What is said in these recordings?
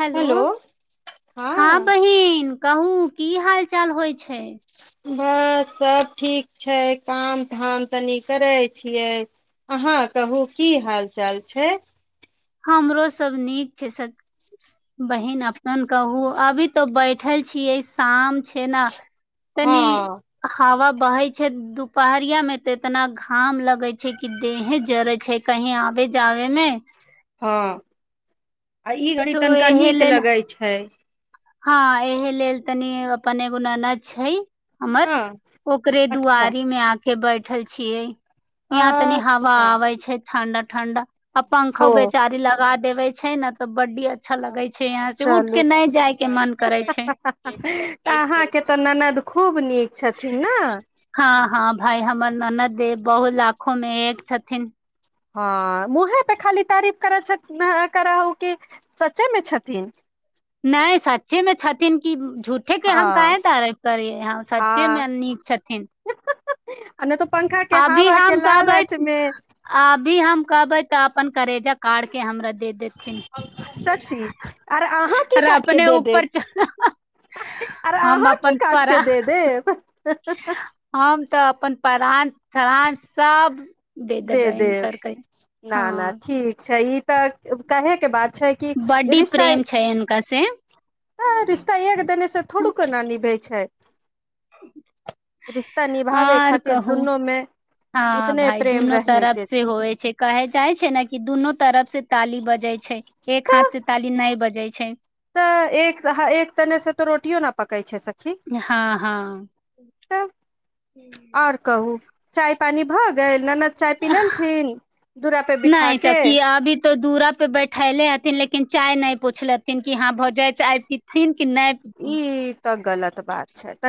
Hello हाँ हँ बहिन। कहु की हाल-चाल होय छै। बस सब ठीक छै, काम-धाम तनि करै छियै, अहाँ कहु की हाल-चाल छै। हमरो सब नीक छै स बहिन, अपन कहु अभी तो बैठल छियै शाम छै ना हँ तनी हवा बहै छै, दुपहरिया मे ते इतना घाम लगे छै कि देहे जरे छै कहीं आबे-जावे मे। हां। आ ई घड़ी तो तनका नीक लगै छै। हाँ एहे लेल तनी अपन एगो ननद छै। हमर हँ ओकरे अच्छा दुआरी में आके बै ठल छियै। इहाँ तनी हवा अच्छा आबै छै। ठण्डा-ठण्डा। आ हो पंखो बेचारी लगा देवे छै ने तऽ बड्डी अच्छा लगे छै इहाँ से उठ चलू के नै जाय के मन करे छै तऽ -अहाँ के तऽ ननद खूब नीक। छथिन ने हँ -हँ भाय हमर ननद देव बहुल। [unintelligible] लाखो मे एक छथिन। [unintelligible] हँ मुहे प खाली। [unintelligible] तारीफ करै छथ ना आ करहु कि सचे मे छथिन। नै सच्चे मे छथिन कि उम्म झूठे के हँ हम काहे तारीफ करियै, हाँ सच्चे हँ मे नीक छथिन। आ नहि तो पंखा के अभी हवा के हम लालच कहबै- मे अभी हम। [unintelligible] कहबै तऽ अपन करेजा का के हमरा। [unintelligible] दे देथिन सच्ची [unintelligible] आर अहाँ आर अपने ऊपर च। आरे अहाँ की काटि कऽ द देब। [unintelligible] आ। [unintelligible] तऽ अपन प्राण। [unintelligible] सान सब। [unintelligible] दे देबै -दे हिनकर कै न- न हँ ठीक। अच्छा ई तऽ कहे के बात। [unintelligible] छै कि बड्डी रिश्ता प्रेम छै हिनका से -रिश्ता एक देने से थोड़ू केना निभे छै। रिश्ता निभावे आर खातिर कहू दुनूमे हँ उतने। भाय [unintelligible] दुनू तरफ के से होइ छै कहे जाइ छै ने कि दुनू। तरफ से। [unintelligible] ताली बजे छै एक हाथ से ताली न बजे छै। छै। [unintelligible] तऽ एक- एक तने- से तऽ रोटियो न पकै छै। हँ हँ तब -आओर कहू। चाय पान भ गेल ननद। चाय पी लेलथिन दूरा पे बिठा -नहि स के किी अभी तो दूरा पे बैठे ले आथि लेकिन। चाय नहि पूछलेथिन कि हा भऽ जाय चाय पीथिन। कि ई। नहि पीथिन [unintelligible] तऽ गलत बात छथि।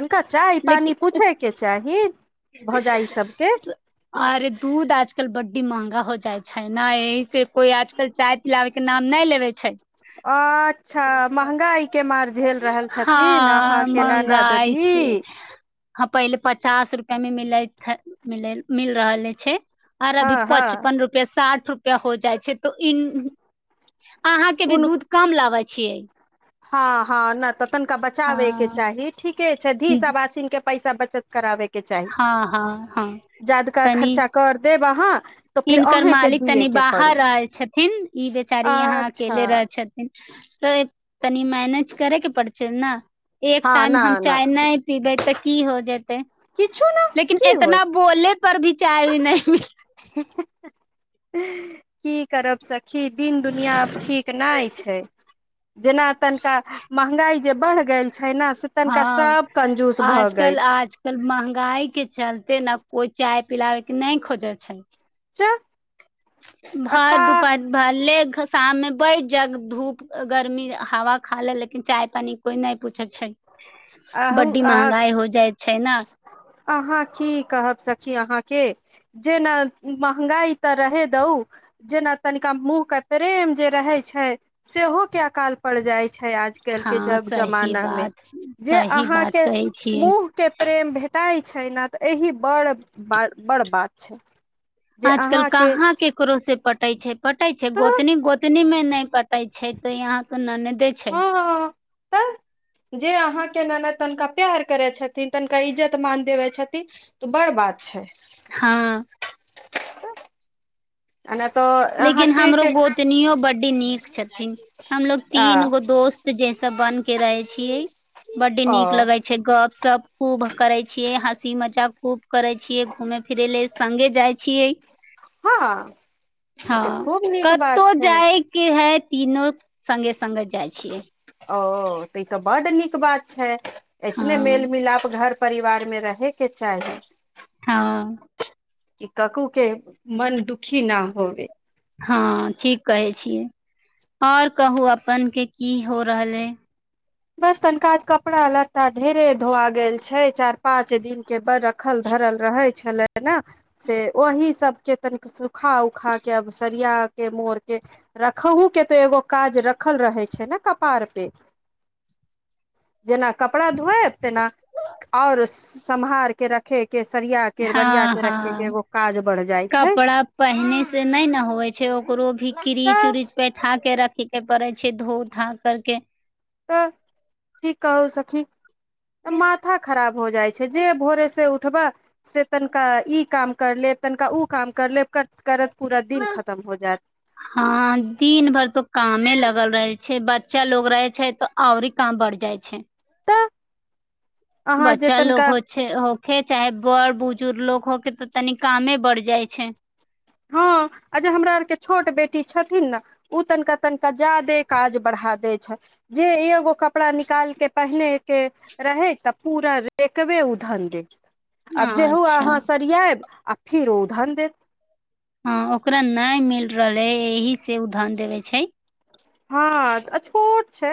लेकिन - भौजाइ सबके [unintelligible] अरे दूध आजकल बड्डी महगा हो जाइ छै। नहि एहि से को इआजकल चाय पिलाबे के नाम नहि लेबे छै। अच्छा महगाई के मार झेल रहल छथिन हँ अहाँके ननद महंगाई भी से हँ पहिले पचास रुपआ मे मिल मिल रहले छै। आर अभी हँ हँ पचपन रुपआ साठ रुपआ हो जाइ छै तऽ इन अहााँ के भी उन दूध कम लाबै छ छियै। [unintelligible] हँ -हँ नहि। तऽ तनिका बचाबे के हँ चाही ठीके छै धीस आबसीनक के पैसा। करे के चाही हँ हँ हँ जाादका तनी खर्चा कर देब वाहाँ हिनकर मालिक तनि बाहर रह छथिन ई बेचारी यहााँ अच्छा अकेले रहै छथिन। त तनी मैनेज करैके पड़ छै ने। एक हँ न टाइम हम न चाय नहि पीबै तऽ की हो जेतै किछु ने लेकिन की होइत इतना बोल पर भी चाय हु नहि। की करब स खि दिन दुनिआ आब ठीक नहि छै। जेना तनिका महंगाई जे बढ़ गेल छै ने से तनिका हँ सब कंजूस भऽ गेल आजकल आजकल महगाई के चलते एते ने कोइ चाय पिलाबे के नहि खोजे छै। च। भर दुपार भर ले शाममे बैढ़ जग धूप गर्मी हवा खा ले लेकिन चाय पानी कोई नहि पूछैत छै। अहू बड्डी अहाँ महंगाई हो जाइ। छै ने अहाँ की कहब सखी अहाँके। जेना महंगाई तऽ रहे दऊ जेना तनिका मुँह के प्रेम जे रहे छै सेहो क काल पड़ जाइ छै आज हँ क जमा सही मे बात जे सही अहाँ बात कहै छियै मुह भेटाइ छै ने तऽ एहि बड़ ब बड़ बात छै। जे आज कल अहाँके कहाँ केकरो से पटै छै पटै छै। तऽ गत न गत मे नहि पटै छै तऽ यहाँ त न हँ हँं हँ हँं तऽ, जे अहाँ केना ने तनिका प्यार करै छथिन, तनिका इज्जत-मान देबै छथिन, तऽ बड़ बात। छै हँ। आ नहि तऽ लेकिन अहाँके हमरो के गोतनियोँ बड्ड नीक छथिन। हमलोग आ तीन गो दोस्त जैसे सब बन के रहै छियै। बड्ड नीक ओ लगै छै गप सब खूब करै छियै हँसी मजा खूब करै छियै घूमे फिरै ल सगे जाइ छियै। हँ। ई तऽ हँ। खूब नीक बात कत्तहु छै जायके हइ तीनो संगे-संगे जाइ छियै। ओ तऽ ई तऽ बड नीक बात छै। हँ ऐसने मेल-मिलाप घर-परिवार मे रहेके चाही। हँ। कि ककूके मन दुखी ना होवे। हँ, ठीक कहै छियै। और कहू अपनके की हो रहल हइ? बस तनिका आज कपड़ा-लत्ता ढेरे धोआ गेल छै। चार-पाँंच दिनके बड़ रखल-धरल रहै छलै न से ओही सबके तनिक सुख- सुखा-उखा के आब सरिया के, मोर के रखहुके तऽ एगो काज रखल रहै छै ने कपार पे। जेना कपड़ा धोएब, तेना और सम्हार के रखे के सरिया के बरिया हँ के रखे के हँ। एगो काज बढ़ जाइ छै कपड़ा पहिनेसे नहि ने होइ छै, ओकरो भी तऽ क्रीच-उरिच बैठा के रखे- के पड़ै छै। धोउ-धा करके तऽ की कहू सखी। तऽ माथा खराब हो जाइ छै, जे भोरे से उ- उठबऽ से तनिका ई काम कर लेब, तनिका ओ काम कर लेब, करत करत पूरा दिन खतम हो जायत हँ, दिन भरि तो कामे लग- लगल रहे छै। बच्चा लोग रहे छै तऽ आओरे काम बढ़ जाइ छै। तऽ अहाँ जे बच्चा लोग तनिका होइ छै होखे चाहे बड़-बुजुर्ग लोग होखे, तऽ तनी कामे बढ़ जाइ छै। हँ, आ जे हमरा आरके छोट बेटी छथिन ने, उ तनिका तनिका ज्यादे काज बढ़ा दैत छथि। जे एगो कपड़ा निकालि कऽ पहिनयके रहै, तऽ पूरा रेकबे उधल देत। आब जेहो अच्छा अहाँ सरियाइब आ फिर ओ उधल देत। हँ, ओकरा नइ मिल रहलै, एहीसे उधन देबै छै। हँ, आ छोट छै,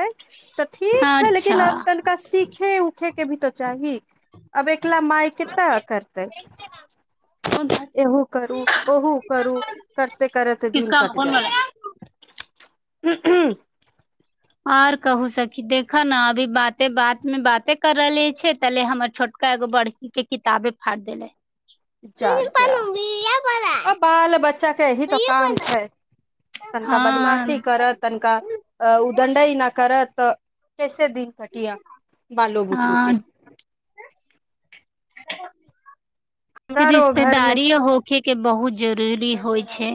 तऽ ठीक छै, लेकिन अच्छा तनिका सीख खे उखेके भी तऽ चाही। अब एक अकेला माय केत्ताके करतै। एहू करू ओहो करू करिते करते दिन कटि जाइ छै। ह ह आऔर कहू सखी देख ने अभी बाते बात मे बाते कर रहले छै तले हमर छोटका एगो बड़की के किताबे फाड़ि देले। जा जा। आ बाल-बच्चा एही तऽ काम छै। तनिका बदमाशी हँ करत, तनिका अ उदण्डई ना करत तऽ कैसे दिन कटिया? बालो बुतरू के हँ हमरा रो घर मे रिश्तेदारी होखे के बहुत जरूरी होइ छै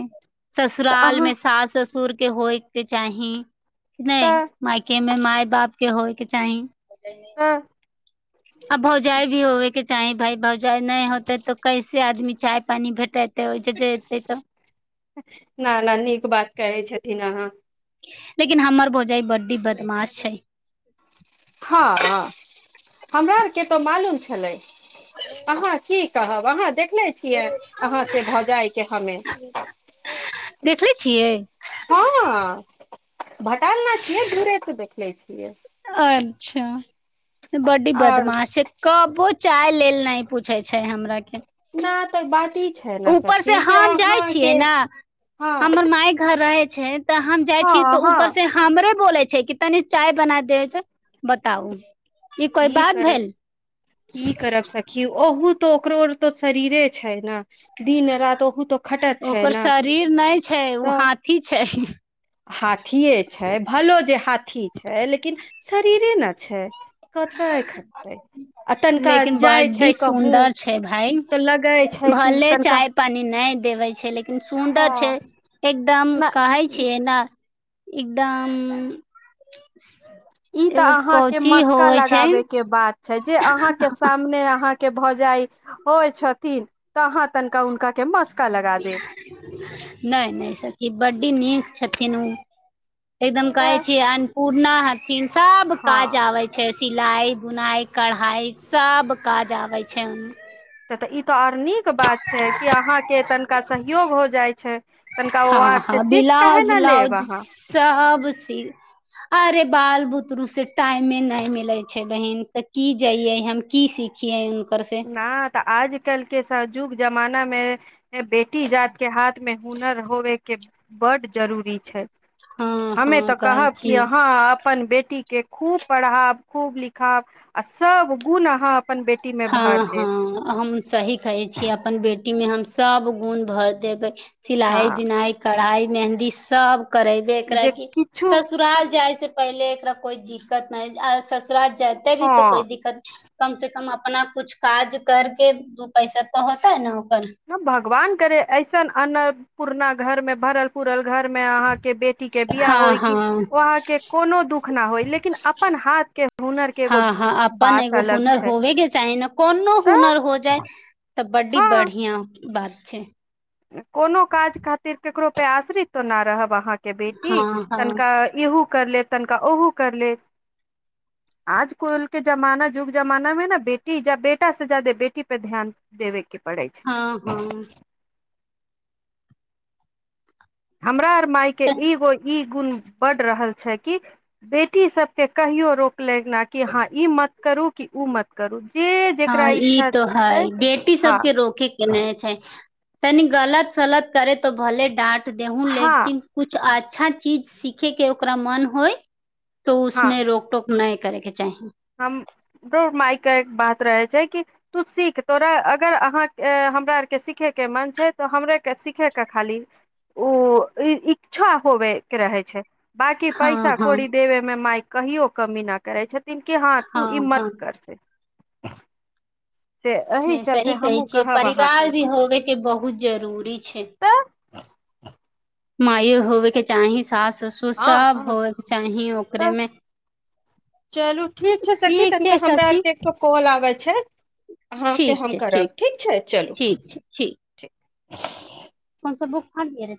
तऽ ससुराल अहाँ में सास ससुर के होयके चाही। नहि तऽ मायके मे माय-बाप के होइ के चाही। [unintelligible] तऽ आ भौजाय भी होवे के चाही। भाय-‌भौजाय नहि होतै तऽ कैसे आदमी चाय पानी भेटेते? ओहि जेते तऽ न न नीक बात कहै छथिन अहाँ। लेकिन हमर भौजाइ बड्डी बदमाश छै। हँ हँ हमरा आरके तऽ मालूम छलै। आहाँ की? कहब आहाँ देख ने छियै अहाँ के भौजाइ के हमे देखले छियै हँ भटल न छियै दूरे से देखले छियै। [unintelligible] अच्छा बड्डी आओर बदमाश छै। कबू चाय लेल न पूछे छै हमरा के। कहाँ तक बाती ऊपर से हम जाइ छियै ने हँ हमर माय घर रहै छै। तऽ हम जाइ हँ छीयै तऽ हँ ऊपर से हमरे बोलै छै की तनी चाय बना दैथ? बताउ ई कोइ की बात करब भेल की करब सखी ओहुत तो ओकरो तो शरीरे छै ने दिन राति ओहू तो खटत छै ओकर ने शरीर नय छै, ओ हाथी छै। हाथ थिए छै, भलो जे हाथ ठीक छै लेकिन शरीरे न छै। कतय खटतै आ तनिका लेकिन जाइ ब्डी छै कहूँ सुन्दर छै भाय, तऽ लगै छै कि भले तनिका चाय पानी नय देबै छै लेकिन हँ सुन्दर छै, एकदम न काय ई छियै। न, एकदम ई तऽ एगो अहां के कोची मसका होवे लाग छै तांबे के बाद छै जे अहाँ के सामने अहाँ के भौजाई होइ छथिन तहाँ तनिका हुनका के मस्त नय नय सखि बड़ नीक छथिन उ एकदम कैय तऽ छी आनपु नहि किन सब हँ काज आबे छै। सिलाइ, बुनाइ, कढ़ाइ सब काज आबै छैन। तऽ ई तऽ आओर नीक बात छै, कि अहाँके तनिका सहयोग हो जाइ छै, तनिका ओ हँ आर हँ से सीख काहे ब्लाउज न लेब उलाउज अहाँ। सब सी अरे, बाल बुतरु से टाइमे नय मिले छै बहिन तऽ की जइए हम कि सीखिये ह न तऽ आज कल के स जुग जमाना मे बेटी जात के हाथ मे हुनर होवेके बड जरूरी छै। हँ हमे हँ तऽ कहै कहब कि छियै अहाँ अपन बेटी के खूब पढ़ाब खूब लिखब आ सब गुण अहाँ अपन बेटी मे भर हँ देब हँ हम सही कहै छी अपन बेटी कि में हम सब गुण भर देबे। सिलाई, हँ बिनाई, कढ़ाइ मेहन्दी सब करेबै एकरा जे क किछु ससुराल जाइ छै। से पहिले एकरा कोइ दिक्कत नहि आ सस्त तोरा जायते भी तो कोइ हँ दिक्कत कम से कम अपना कुछ काज कर के दू पैसा तऽ होतई न। हम भगवान करे ऐसन अन्र पुरना घर में भरल पूरल घर मे अहाँके बेटी के बियाह हँ होय कि हँ ओ अहाँके कोनो दुःख ना होय लेकिन अपन हाथ के हुनर के एगो हँ हँ अपन बात एगो अलग हुनर छै। होबे के चाही ने कोनो तऽ हुनर हो जाए। तऽ बड्डी हँ बढ़िया बात छै। कोनो काज खातिर ककरो पे आश्रित त न रहब अहाँके। के बेटी हँ हँ तनिका इहूक कर ले तनिका ओहो कर ले, आजकल के जमाना युग जमाना मे ना बेटी बेटा से जादे बेटी पे ध्यान देबे के पड़ै छै। हँ हँ हमरा आर मायके तऽ एगो ई गुण बड रहल छै कि बेटी सबके कहियो रोक लई न कि हँ ई मत करू कि ऊ मत करू। जे जेकरा हँ ई इच्छा तो छै है, बेटी हँ सबके रोके के ने छै तनी गलत सलत करे त भले डाँट देहूँ हँ लेकिन कुछ आज अच्छा चीज सीखयके ओकरा मन होइ तो उसमे रोक टोक नहि करैके चाहीं। हमरो माायके एक बात रहै छै कि तू सीख तोरा अगर अहाँ ए हमरा आरके सीखयके मन छै तऽ हमरेके सीखयके खाली ऊ इच्छा होबयके रहै छै। बाकी हँ पैसा हँ कोरी देबेमे माइक कहियो कमी ना करै छथिन। के हाॅं तू ई् हँ मत हँ कर से। [unintelligible] एहि नहि चलते सही कहै हमहूँ छियै, कहब अहाँके परिवार भी होबेके बहुत जरूरी छै। तऽ मायओ होबे के चाहीं। सास ससुर हँ सब हँ होबेके चाही ओकरे तऽ मे। चलू छै सखी ठीक तनिका छै हमरा सखी आरके एक कॉल आबै छै अहाँके हम करब ठीक छै, चलू ठीक छै ठीक ठीक। [unintelligible]